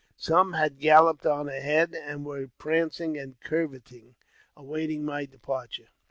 Some had galloped on ahead, and were prancing and curveting, awaiting my departure.